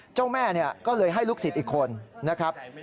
เจ้าแม่ก็เลยให้ลูกศิษย์อีกคนนะครับ